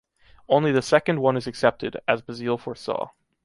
Only the second one is accepted, as Bazille foresaw.